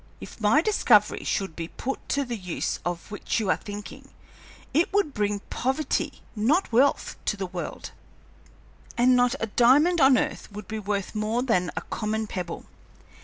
If my discovery should be put to the use of which you are thinking, it would bring poverty, not wealth, to the world, and not a diamond on earth would be worth more than a common pebble.